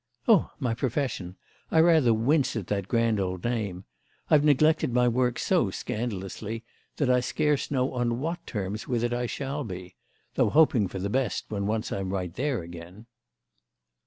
"Oh, my profession! I rather wince at that grand old name. I've neglected my work so scandalously that I scarce know on what terms with it I shall be—though hoping for the best when once I'm right there again."